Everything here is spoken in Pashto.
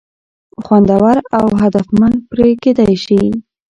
خوندور او هدفمند پر کېدى شي.